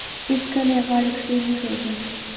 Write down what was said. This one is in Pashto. هیڅکله یې غاړه کښېنښوده.